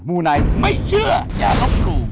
มูนัยไม่เชื่ออย่าล้มกลุ่ม